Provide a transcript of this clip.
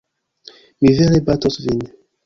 Mi vere batos vin!